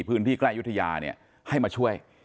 พื้นที่ใกล้ยุธยาเนี่ยให้มาช่วย